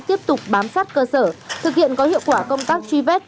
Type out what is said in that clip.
tiếp tục bám sát cơ sở thực hiện có hiệu quả công tác truy vết